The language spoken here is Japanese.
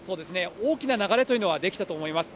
大きな流れというのは出来たと思います。